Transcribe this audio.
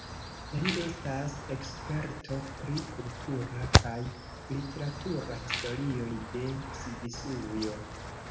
Li estas eksperto pri kultura kaj literatura historioj de Svisujo.